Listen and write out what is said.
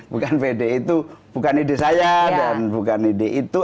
bukan pede itu bukan ide saya dan bukan ide itu